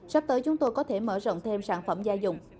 sắp tới chúng tôi có thể mở rộng thêm sản phẩm gia dụng